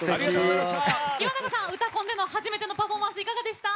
岩永さん「うたコン」での初めてのパフォーマンスいかがでしたか？